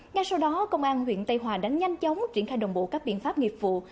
ngay sau đó công an huyện tây hòa đã nhanh chóng triển khai đồng bộ các biện pháp nghiệp vụ